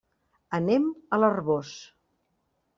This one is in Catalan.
Anem a l'Arboç.